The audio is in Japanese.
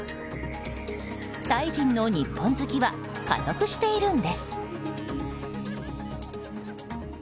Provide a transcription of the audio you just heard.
タイ人の日本好きは加速しているんです。